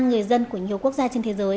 người dân của nhiều quốc gia trên thế giới